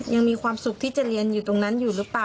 ยังมีความสุขที่จะเรียนอยู่ตรงนั้นอยู่หรือเปล่า